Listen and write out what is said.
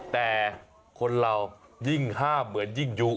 แต่คนเรายิ่งห้ามเหมือนยิ่งยุ